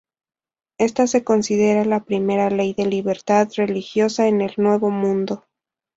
Esta se considera la primera ley de libertad religiosa en el Nuevo Mundo.